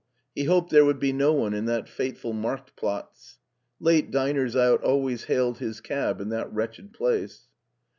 He hoped there would be no one in that fateful Markt^ Platz. Late diners out always hailed his cab in that wretched place.